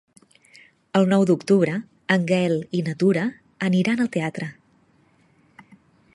El nou d'octubre en Gaël i na Tura aniran al teatre.